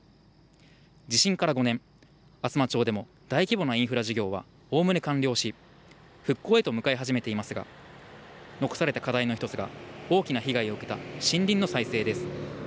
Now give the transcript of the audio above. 地震から５年、厚真町でも大規模なインフラ事業はおおむね完了し、復興へと向かい始めていますが、残された課題の１つが大きな被害を受けた森林の再生です。